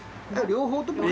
両方とも。